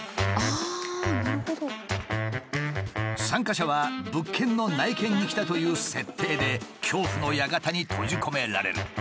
参加者は物件の内見に来たという設定で恐怖の館に閉じ込められる。